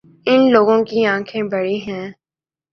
اِن لوگوں کی آنکھیں بڑی ہیں